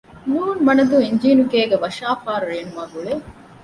ނ.މަނަދޫ އިންޖީނުގޭގެ ވަށާފާރު ރޭނުމާގުޅޭ